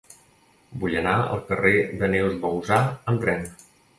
Vull anar al carrer de Neus Bouzá amb tren.